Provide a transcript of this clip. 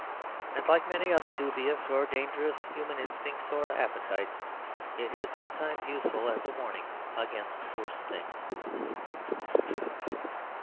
And like many other dubious or dangerous human instincts or appetites, it is sometimes useful as a warning against worse things.